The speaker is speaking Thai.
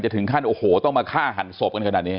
ถึงขั้นโอ้โหต้องมาฆ่าหันศพกันขนาดนี้